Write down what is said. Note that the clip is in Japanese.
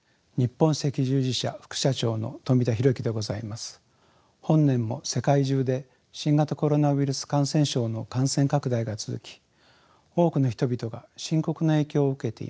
本年も世界中で新型コロナウイルス感染症の感染拡大が続き多くの人々が深刻な影響を受けています。